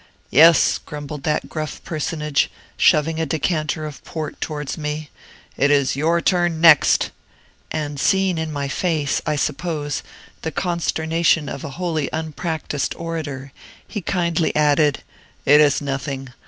"Yes," grumbled that gruff personage, shoving a decanter of Port towards me, "it is your turn next"; and seeing in my face, I suppose, the consternation of a wholly unpractised orator, he kindly added, "It is nothing.